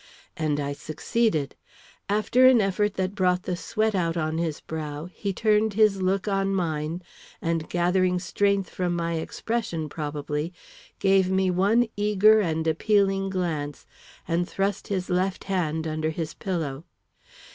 And I succeeded. After an effort that brought the sweat out on his brow, he turned his look on mine, and, gathering strength from my expression, probably, gave me one eager and appealing glance, and thrust his left hand under his pillow.